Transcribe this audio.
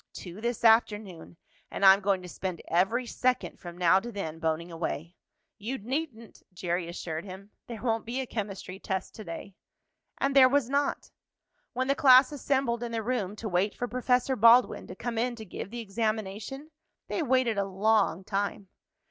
"Two this afternoon, and I'm going to spend every second from now to then boning away." "You needn't," Jerry assured him. "There won't be a chemistry test to day." And there was not. When the class assembled in the room to wait for Professor Baldwin to come in to give the examination, they waited a long time.